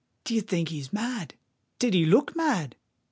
"And d'ye think he's mad? did he look mad?"